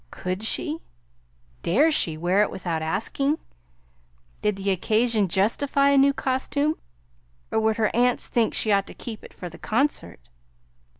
Could she, dare she, wear it without asking? Did the occasion justify a new costume, or would her aunts think she ought to keep it for the concert?